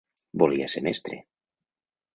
Volia ser mestre.